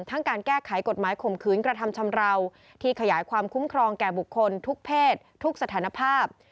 การแก้ไขกฎหมายข่มขืนกระทำชำราวที่ขยายความคุ้มครองแก่บุคคลทุกเพศทุกสถานภาพ